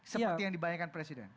seperti yang dibayangkan presiden